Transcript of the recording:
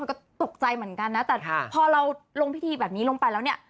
ก็ตกใจเหมือนกันนะแต่พอเราลงพิธีแบบนี้ลงไปแล้วเนี่ย